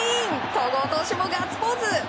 戸郷投手もガッツポーズ！